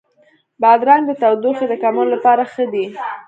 بادرنګ د تودوخې د کمولو لپاره ښه دی.